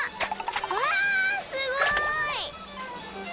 うわすごい！